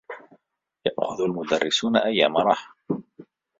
يأخذ المدرّسون أيّام راحة.